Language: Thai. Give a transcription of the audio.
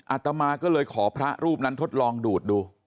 อาตมาก็เลยขอพระรูปนั้นทดลองดูดดู